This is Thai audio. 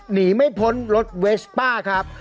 หนีไม่พ้นรถเวสป้าครับ